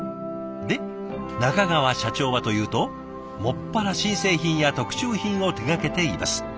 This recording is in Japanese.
で中川社長はというと専ら新製品や特注品を手がけています。